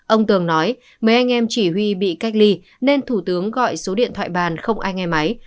ông tường nói mấy anh em chỉ huy bị cách ly nên thủ tướng gọi số điện thoại bàn không ai nghe máy